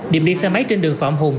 điểm đi xe máy trên đường phạm hùng